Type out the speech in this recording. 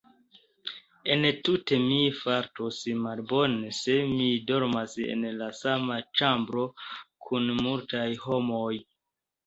Entute mi fartos malbone se mi dormas en la sama ĉambro kun multaj homoj.